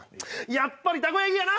やっぱりたこ焼きやな！